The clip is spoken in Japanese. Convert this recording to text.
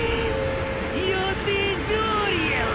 予定どおりやわ！！